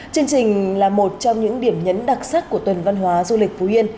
chương trình là một trong những điểm nhấn đặc sắc của tuần văn hóa du lịch phú yên